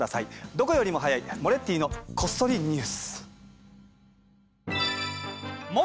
どこよりも早い「モレッティのこっそりニュース」。